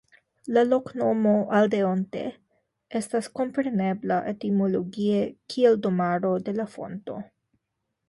La loknomo "Aldeonte" estas komprenebla etimologie kiel Domaro de la Fonto.